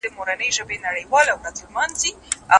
لارښود استاد باید د شاګرد په مشوره وټاکل سي.